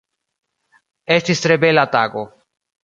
Estis tre bela tago.